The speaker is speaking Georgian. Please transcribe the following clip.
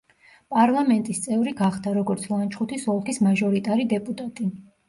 პარლამენტის წევრი გახდა, როგორც ლანჩხუთის ოლქის მაჟორიტარი დეპუტატი.